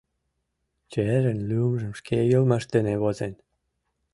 Черын лӱмжым шке йылмышт дене возен.